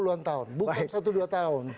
tiga puluh an tahun bukan satu dua tahun